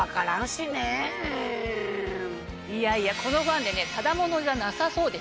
いやいやこのファンデただ者じゃなさそうですよ。